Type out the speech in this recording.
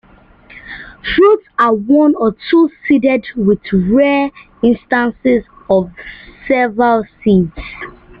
Fruits are one or two-seeded with rare instances of several seeds.